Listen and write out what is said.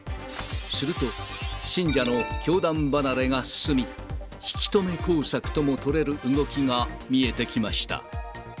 すると、信者の教団離れが進み、引き止め工作とも取れる動きが見えてきました。